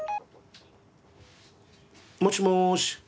もしもし。